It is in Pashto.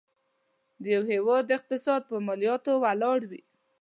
د یو هيواد اقتصاد په مالياتو ولاړ وي.